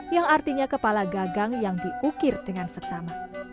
yang artinya kepala gagang yang diukir dengan seksama